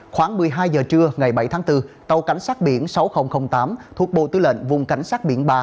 khoảng một mươi hai giờ trưa ngày bảy tháng bốn tàu cảnh sát biển sáu nghìn tám thuộc bộ tư lệnh vùng cảnh sát biển ba